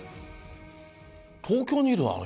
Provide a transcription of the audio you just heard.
東京にいるの？